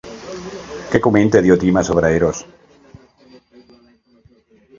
Què comenta Diòtima sobre Eros?